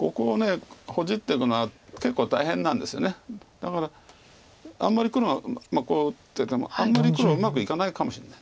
だからあんまり黒がまあこう打っててもあんまり黒うまくいかないかもしれない。